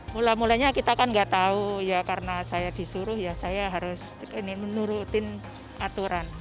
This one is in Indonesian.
mulai mulainya kita kan gak tau ya karena saya disuruh ya saya harus menurutin aturan